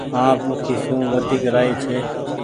هآنٚ پوکي سون وديڪ رآئي ڇي